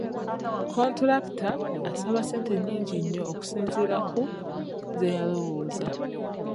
Kontulakita asaba ssente nyingi nnyo okusinzira ku ze yalowoza.